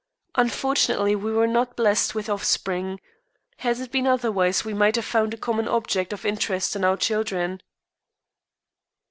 Unfortunately, we were not blessed with offspring. Had it been otherwise, we might have found a common object of interest in our children.